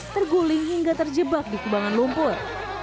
terguling hingga terjebak di kubangan lumpur